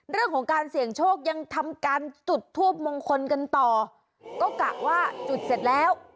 เรื่องของการเสี่ยงโชคยังทำการจุดทูปมงคลกันต่อก็กะว่าจุดเสร็จแล้ว